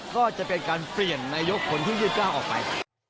ก็จะเป็นการเปลี่ยนนายกคนที่๒๙ออกไป